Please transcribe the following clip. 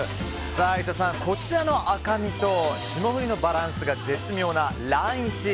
こちらの赤身と霜降りのバランスが絶妙なランイチ。